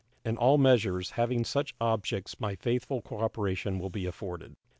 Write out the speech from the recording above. In all measures having such objects my faithful cooperation will be afforded.